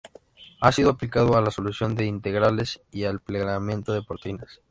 Ha sido aplicado a la solución de integrales y al plegamiento de proteínas.